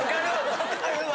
分かるわ。